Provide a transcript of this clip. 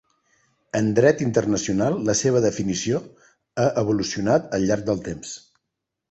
En Dret internacional la seva definició ha evolucionat al llarg del temps.